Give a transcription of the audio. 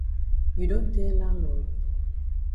You don tell landlord?